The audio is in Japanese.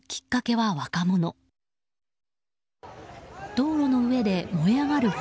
道路の上で燃え上がる炎。